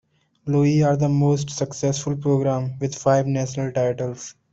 Louis are the most successful program, with five national titles.